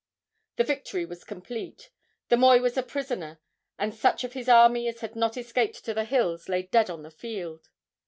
The victory was complete. The moi was a prisoner, and such of his army as had not escaped to the hills lay dead on the field.